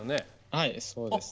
はいそうですね。